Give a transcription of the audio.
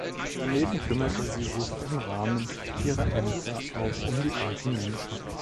Daneben kümmerte sie sich im Rahmen ihrer Ämter auch um die alten Menschen.